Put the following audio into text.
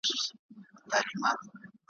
د سلماني ریشتیا ,